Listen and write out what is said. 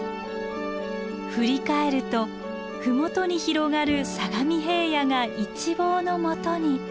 振り返ると麓に広がる相模平野が一望のもとに。